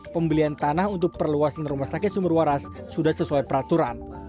pembelian tanah untuk perluasan rumah sakit sumber waras sudah sesuai peraturan